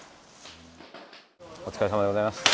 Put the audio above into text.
お疲れさまでございます。